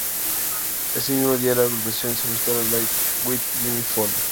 Ese mismo día, la agrupación se presentó en "Late Night With Jimmy Fallon".